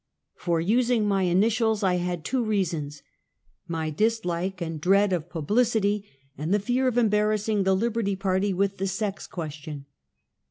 For using my initials I had two reasons — my dislike and dread of publicity and the fear of embarrassing the Liberty Party with the sex question.